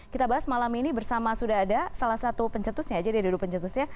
kita bahas malam ini bersama sudah ada salah satu pencetusnya jadi dulu pencetusnya